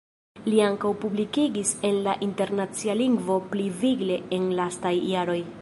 Li ankaŭ publikigis en la internacia lingvo, pli vigle en lastaj jaroj.